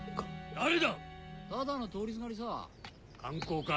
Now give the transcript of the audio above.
・誰だ⁉・・ただの通りすがりさ・・観光か？